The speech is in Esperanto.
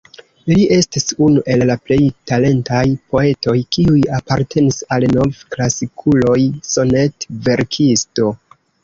Li estis unu el la plej talentaj poetoj, kiuj apartenis al nov-klasikuloj, sonet-verkisto.